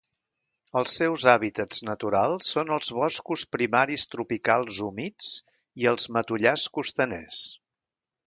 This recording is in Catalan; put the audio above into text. Els seus hàbitats naturals són els boscos primaris tropicals humits i els matollars costaners.